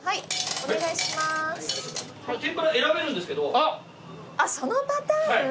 あっそのパターン？